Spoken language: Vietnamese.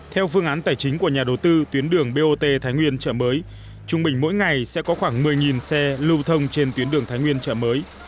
theo phương án tài chính của nhà đầu tư tuyến đường bot thái nguyên chợ mới trung bình mỗi ngày sẽ có khoảng một mươi xe lưu thông trên tuyến đường thái nguyên chợ mới